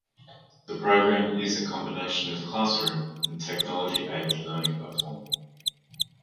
The programme is a combination of classroom and technology aided learning platform.